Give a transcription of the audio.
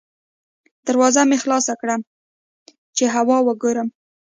دروازه مې لږه خلاصه کړه چې هوا وګورم.